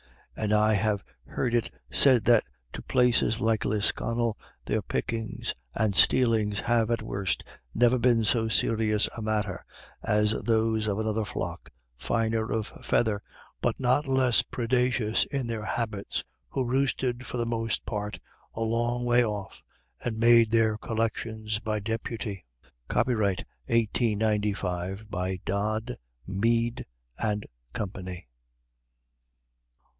And I have heard it said that to places like Lisconnel their pickings and stealings have at worst never been so serious a matter as those of another flock, finer of feather, but not less predacious in their habits, who roosted, for the most part, a long way off, and made their collections by deputy. Copyrighted 1895, by Dodd, Mead and Company.